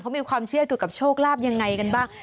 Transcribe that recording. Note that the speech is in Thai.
เขามีความเชื่อเกี่ยวกับโชคลาภยังไงกันบ้าง